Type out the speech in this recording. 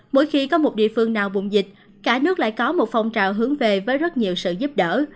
mỗi khi có một địa phương nào bụng dịch cả nước lại có một phong trào hướng về với rất nhiều sự giúp đỡ